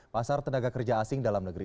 pasar tenaga kerja asing dalam negeri